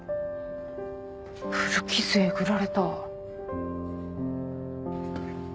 古傷えぐられた。